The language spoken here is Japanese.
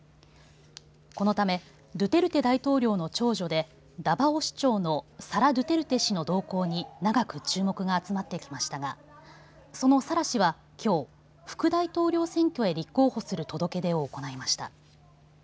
このためドゥテルテ大統領の長女でダバオ市長のサラ・ドゥテルテ氏の動向に長く注目が集まってきましたがそのサラ氏はきょう副大統領選挙へ立候補する届け出を行いました。